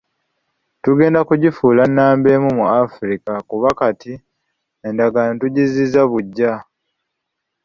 Tugenda kugifuula nnamba emu mu Africa kuba kati endagaano tugizzizza buggya.